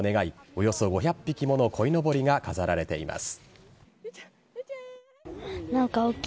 およそ５００匹ものこいのぼりが飾られています。